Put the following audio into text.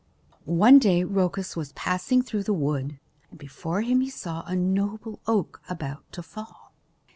] One day Rhoecus was passing through the wood. Before him he saw a noble oak about to fall.